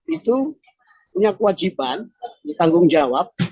itu punya kewajiban ditanggung jawab